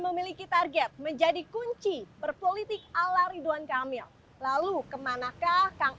memiliki target menjadi kunci berpolitik ala ridwan kamil lalu kemanakah kang